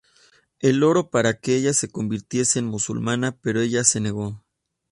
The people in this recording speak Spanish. Él oró para que ella se convirtiese en musulmana, pero ella se negó.